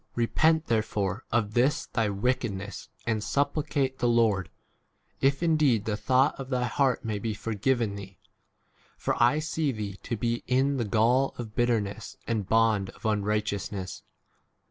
Eepent therefore of this thy wickedness, and supplicate the Lord, w if indeed the thought of thy heart may be forgiven thee ; 23 for I see thee to be in the [gall] of bitterness and bond of unrighte 24 ousness.